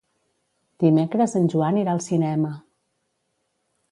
Dimecres en Joan irà al cinema.